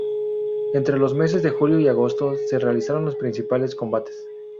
Entre los meses de julio y agosto se realizaron los principales combates.